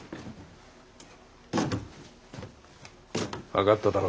分かっただろ。